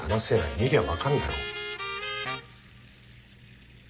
見りゃ分かんだろ。